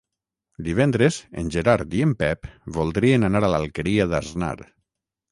Divendres en Gerard i en Pep voldrien anar a l'Alqueria d'Asnar.